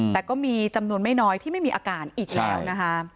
แต่ก็มีจำนวนไม่น้อยที่ไม่มีอาการอีกแล้วนะคะ